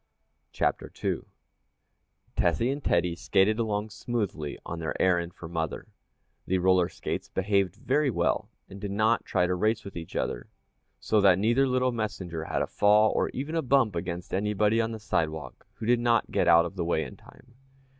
CHAPTER II Tessie and Teddy skated along smoothly on their errand for mother. The roller skates behaved very well, and did not try to race with each other, so that neither little messenger had a fall, or even a bump against anybody on the sidewalk who did not get out of the way in time.